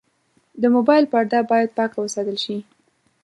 د موبایل پرده باید پاکه وساتل شي.